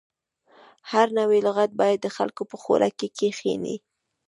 هر نوی لغت باید د خلکو په خوله کې کښیني.